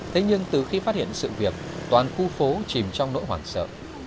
thế nhưng từ khi phát hiện sự việc toàn khu phố chìm trong nỗi hoảng sợ